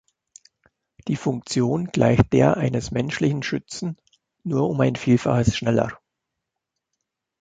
Die Funktion gleicht der eines menschlichen Schützen, nur um ein Vielfaches schneller.